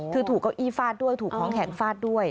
คือถูกเก้าอี้ฟาดด้วยถูกของแข็งฟาดด้วย